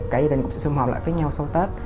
cả gia đình cũng sẽ xung hợp lại với nhau sau tết